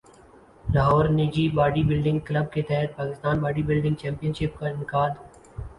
لاہور نجی body building club کے تحت Pakistan body building champion کا انعقاد